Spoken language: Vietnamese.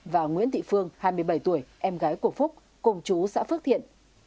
và nguyễn thị phương hai mươi bảy tuổi em gái của phúc cùng chú xã phước thiện